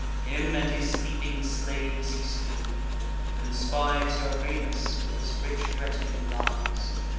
Him and his sleeping slaves he slew; then spies Where Remus, with his rich retinue, lies.